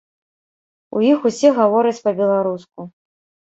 У іх усе гавораць па-беларуску.